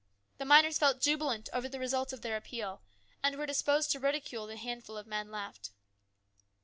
The miners felt jubilant over the result of their appeal, and were disposed to ridicule the handful of men now left.